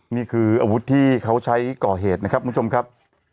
นี่คืออาวุธที่เขาใช้ก่อเหตุนะครับคุณผู้ชมครับ